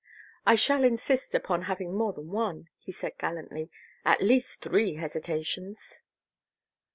"I shall insist upon having more than one," he said gallantly. "At least three hesitations."